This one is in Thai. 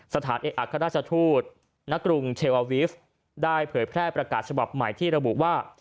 สถานเอกอัครราชทูตณกรุงเทวาวิฟต์ได้เผยแพร่ประกาศฉบับใหม่ที่ระบุว่า